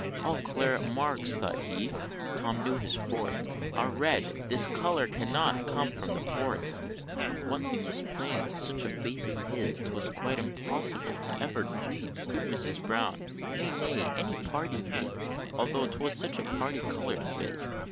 "All claret marks," thought he Tom knew his forte "Are red this color CANNOT come from Port!" One thing was plain; with such a face as his, 'Twas quite impossible to ever greet Good Mrs. Brown; nay, any party meet, Altho' 'twas such a parti colored phiz!